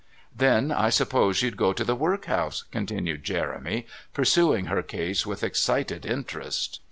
"Then I suppose you'd go to the workhouse," continued Jeremy, pursuing her case with excited interest.